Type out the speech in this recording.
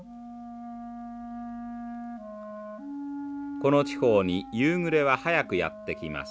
この地方に夕暮れは早くやって来ます。